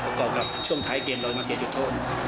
บก่อกรับช่วงท้ายเกณฑ์เคยมาเสียจุดโทน